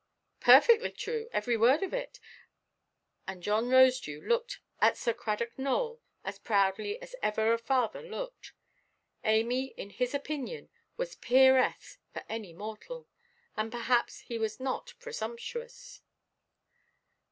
"Perfectly true, every word of it." And John Rosedew looked at Sir Cradock Nowell as proudly as ever a father looked. Amy, in his opinion, was peeress for any mortal. And perhaps he was not presumptuous.